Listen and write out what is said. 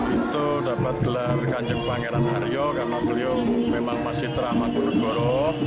itu dapat gelar kanjeng pangeran haryo karena beliau memang masih terang agung nusantara